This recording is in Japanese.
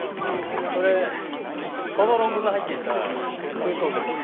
それこの論文が入っていた封筒ですね。